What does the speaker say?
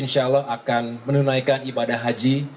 insya allah akan menunaikan ibadah haji